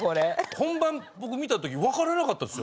本番僕見た時分からなかったですよ。